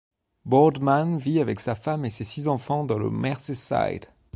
Boardman vit avec sa femme et ses six enfants dans le Merseyside.